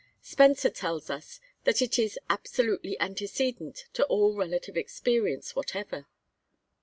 Spencer tells us that it is 'absolutely antecedent to all relative experience whatever.'